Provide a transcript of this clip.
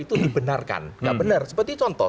itu dibenarkan nggak benar seperti contoh